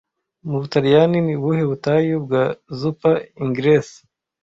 Mu Butaliyani ni ubuhe butayu bwa "Zuppa Inglese"